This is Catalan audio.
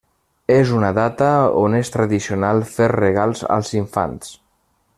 És una data on és tradicional fer regals als infants.